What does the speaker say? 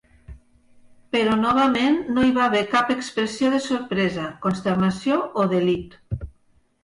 Però novament no hi va haver cap expressió de sorpresa, consternació o delit.